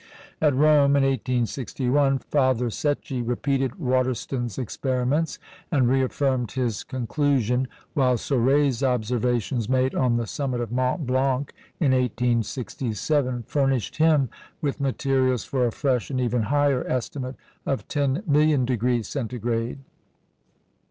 At Rome, in 1861, Father Secchi repeated Waterston's experiments, and reaffirmed his conclusion; while Soret's observations, made on the summit of Mont Blanc in 1867, furnished him with materials for a fresh and even higher estimate of ten million degrees Centigrade.